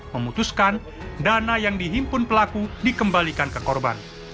memutuskan dana yang dihimpun pelaku dikembalikan ke korban